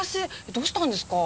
どうしたんですか？